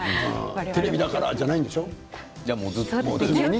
テレビだからじゃないんですよね。